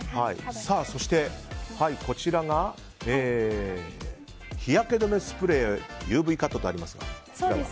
そして、日焼け止めスプレーＵＶカットとあります。